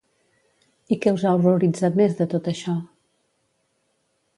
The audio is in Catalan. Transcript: I què us ha horroritzat més de tot això?